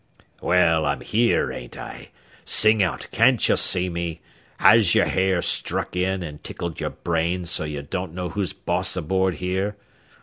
"Well, I'm here, ain't I? Sing out, can't you see me? Has your hair struck in and tickled your brain so you don't know who's boss aboard here?